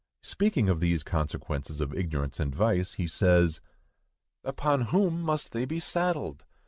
Speaking of these consequences of ignorance and vice, he says: Upon whom must they be saddled?